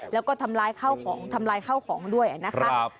แล้วก็ทำร้ายข้าวของทำลายข้าวของด้วยนะครับ